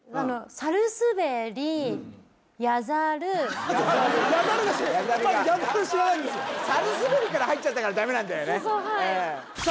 猿すべりから入っちゃったからダメなんだよねさあ